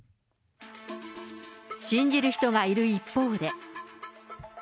信じる人がいる一方で。